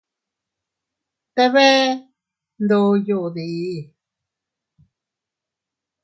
¿Te bee ndoyode?